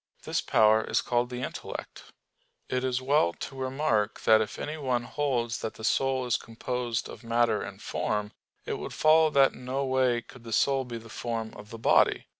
This power is called the intellect. It is well to remark that if anyone holds that the soul is composed of matter and form, it would follow that in no way could the soul be the form of the body.